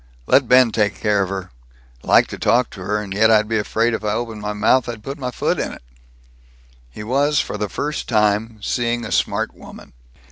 Let Ben take care of her. Like to talk to her, and yet I'd be afraid if I opened my mouth, I'd put my foot in it." He was for the first time seeing a smart woman.